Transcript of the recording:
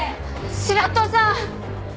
白土さん！